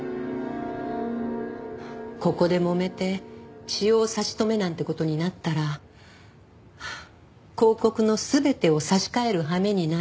ここでもめて使用差し止めなんて事になったら広告の全てを差し替えるはめになる。